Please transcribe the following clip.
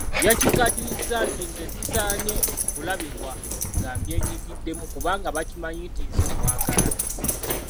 Yakikkaatiriza nti nze sisaanye kulabibwa nga mbyenyigiddemu kubanga bakimanyi nti nze mmwagala.